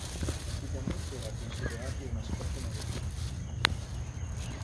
Anticamente era considerato un aspetto malefico.